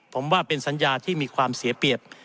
ผมว่าเป็นสัญญาที่มีความเสียเปรียบ